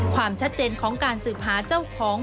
ความชัดเจนของการสืบหาเจ้าของ